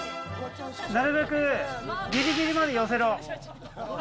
なるべくぎりぎりまで寄せろ！